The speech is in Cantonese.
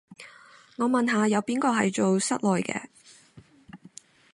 我問下，有邊個係做室內嘅